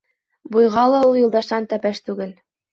Буйға ла ул Юлдаштан тәпәш түгел.